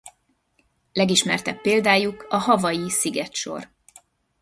Legismertebb példájuk a Hawaii-szigetsor.